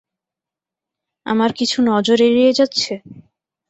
আমার কিছু নজর এড়িয়ে যাচ্ছে?